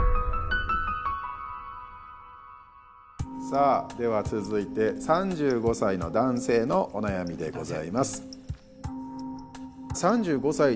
さあでは続いて３５歳の男性のお悩みでございます。